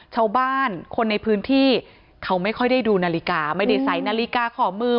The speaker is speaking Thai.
ชาวบ้านคนในพื้นที่เขาไม่ค่อยได้ดูนาฬิกาไม่ได้ใส่นาฬิกาขอมือ